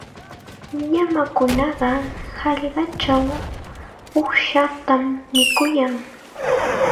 Llamakunaqa hallqachaw uqshatam mikuyan.